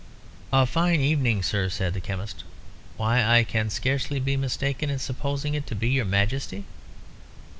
"A fine evening, sir," said the chemist. "Why, I can scarcely be mistaken in supposing it to be your Majesty.